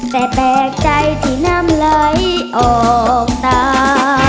แต่แปลกใจที่น้ำไหลออกตา